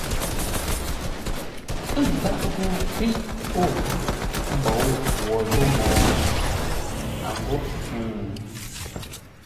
N ndáʼ ghô ghíʼ o ghʉ́ mbǒu ghwǒ zô mô? a ghô ə̂ŋ.